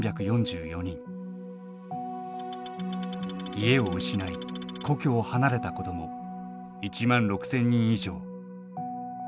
家を失い故郷を離れた子ども１万６，０００人以上。